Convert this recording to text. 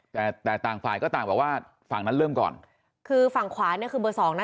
แต่แต่ต่างฝ่ายก็ต่างบอกว่าฝั่งนั้นเริ่มก่อนคือฝั่งขวาเนี่ยคือเบอร์สองนะ